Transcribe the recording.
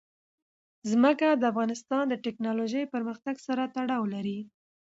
ځمکه د افغانستان د تکنالوژۍ پرمختګ سره تړاو لري.